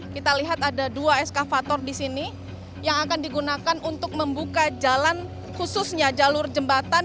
kita lihat ada dua eskavator di sini yang akan digunakan untuk membuka jalan khususnya jalur jembatan